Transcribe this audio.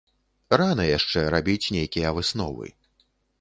Рана яшчэ рабіць нейкія высновы.